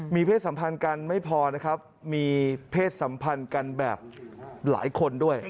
มีเพศสัมพันธ์กันไม่พอนะครับมีเพศสัมพันธ์กันแบบหลายคนด้วย